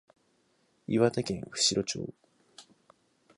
岩手県普代村